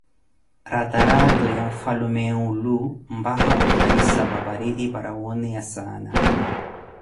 ratarato ya mfwalume mwulo mpakha opharisiwa va pareti para wooneye saana.